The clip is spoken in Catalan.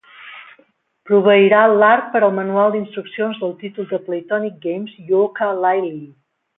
Proveirà l'art per al manual d'instruccions del títol de Playtonic Games, "Yooka-Laylee".